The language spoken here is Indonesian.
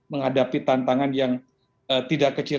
menghadapi tantangan yang tidak kecil